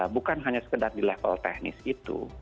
bukan hanya sekedar di level teknis itu